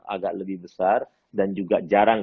agak lebih besar dan juga jarang